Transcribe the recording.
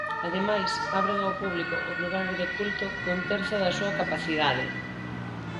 Ademais, abren ao público os lugares de culto cun terzo da súa capacidade.